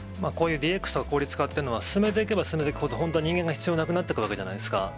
こういうＤＸの効率化というのは進めていけば進めていくほど、本当、人間が必要なくなっていくわけじゃないですか。